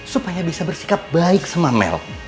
supaya bisa bersikap baik sama melk